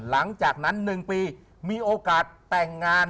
หลังจากนั้น๑ปีมีโอกาสแต่งงาน